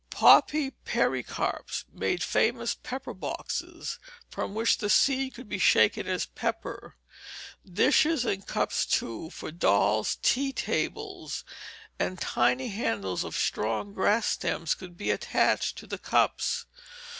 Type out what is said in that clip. Poppy pericarps made famous pepper boxes, from which the seed could be shaken as pepper; dishes and cups, too, for dolls' tea tables, and tiny handles of strong grass stems could be attached to the cups.